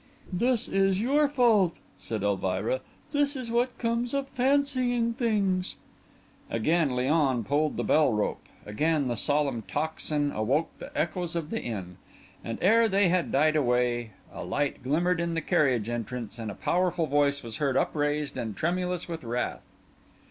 "This is your fault," said Elvira: "this is what comes of fancying things!" Again Léon pulled the bell rope; again the solemn tocsin awoke the echoes of the inn; and ere they had died away, a light glimmered in the carriage entrance, and a powerful voice was heard upraised and tremulous with wrath.